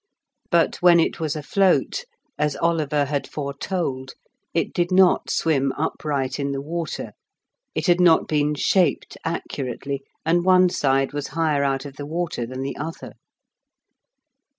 But when it was afloat, as Oliver had foretold, it did not swim upright in the water. It had not been shaped accurately, and one side was higher out of the water than the other.